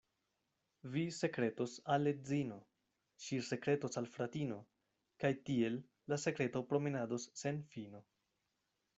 Vi sekretos al edzino, ŝi sekretos al fratino, kaj tiel la sekreto promenados sen fino.